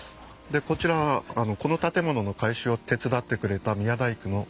でこちらはこの建物の改修を手伝ってくれた宮大工の。